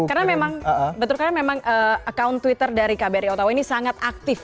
karena memang betul betul memang account twitter dari kbr di otawa ini sangat aktif